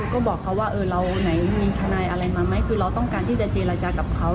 ก็บอกเขาว่าเออเราไหนมีทนายอะไรมาไหมคือเราต้องการที่จะเจรจากับเขา